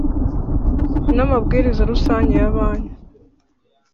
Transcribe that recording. namabwiriza rusange ya Bank.